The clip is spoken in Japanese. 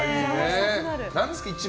何ですか？